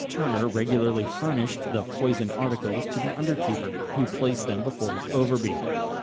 Turner regularly furnished the poisoned articles to the under keeper, who placed them before Overbury.